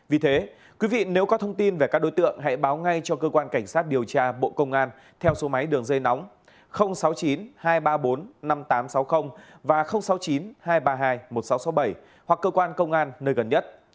vì thế quý vị nếu có thông tin về các đối tượng hãy báo ngay cho cơ quan cảnh sát điều tra bộ công an theo số máy đường dây nóng sáu mươi chín hai trăm ba mươi bốn năm nghìn tám trăm sáu mươi và sáu mươi chín hai trăm ba mươi hai một nghìn sáu trăm sáu mươi bảy hoặc cơ quan công an nơi gần nhất